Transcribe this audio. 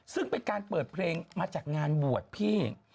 ซึ่งเป็นการเปิดเพลงมาจากงานบวชพี่